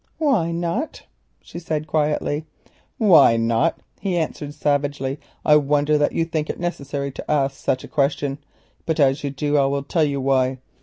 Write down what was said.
"Why not?" she said quietly. "Why not?" he answered savagely. "I wonder that you think it necessary to ask such a question, but as you do I will tell you why.